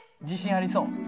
自信ありそう。